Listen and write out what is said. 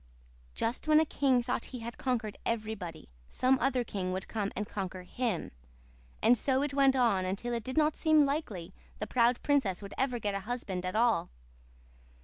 "Just when a king thought he had conquered everybody some other king would come and conquer HIM; and so it went on until it did not seem likely the proud princess would ever get a husband at all.